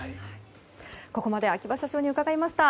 ここまで秋葉社長に伺いました。